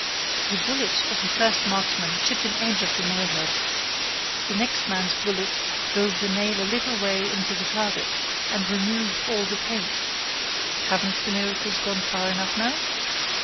The bullet of the first marksman chipped an edge off the nail head; the next man's bullet drove the nail a little way into the target and removed all the paint. Haven't the miracles gone far enough now?